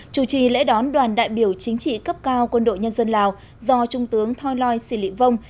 chủ trì lễ đón đoàn đại biểu chính trị cấp cao quân đội nhân dân lào do trung tướng thoi loi sĩ lị vông